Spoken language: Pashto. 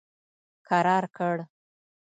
کرار کړ.